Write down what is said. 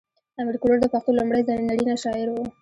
امیر کروړ د پښتو لومړی نرینه شاعر و .